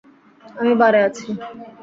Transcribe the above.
আমি বারে আছি!